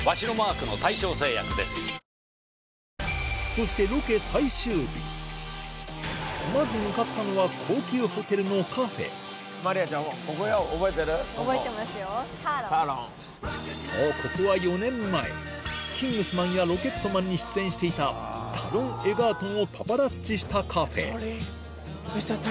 そしてまず向かったのはそうここは４年前『キングスマン』や『ロケットマン』に出演していたタロン・エガートンをパパラッチしたカフェ